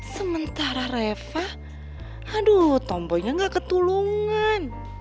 sementara reva aduh tomboynya enggak ketulungan